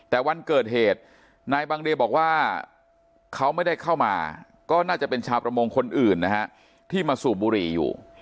แต่วันเกิดเหตุนายบังเดย์บอกว่าเขาไม่ได้เข้ามาก็น่าจะเป็นชาวประมงคนอื่นนะฮะที่มาสูบบุหรี่อยู่